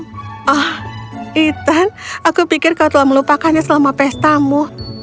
oh ethan aku pikir kau telah melupakannya selama pestamu